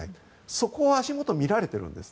そこを足元を見られているんです。